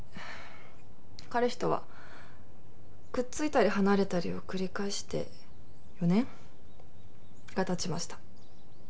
彼氏とはくっついたり離れたりを繰り返して４年？が経ちました。